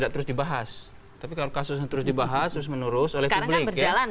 terus dibahas terus menurus oleh tblg